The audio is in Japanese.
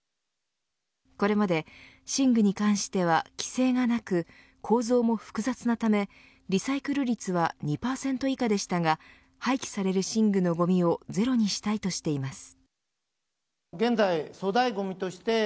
これまで寝具に関しては規制がなく構造も複雑なためリサイクル率は２％以下でしたが廃棄される寝具のごみをゼロにしたいとしています。